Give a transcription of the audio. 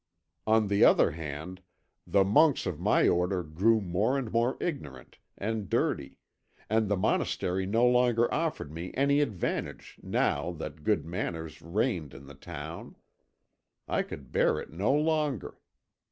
On the other hand, the monks of my order grew more and more ignorant and dirty, and the monastery no longer offered me any advantage now that good manners reigned in the town. I could bear it no longer.